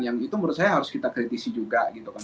yang itu menurut saya harus kita kritisi juga gitu kan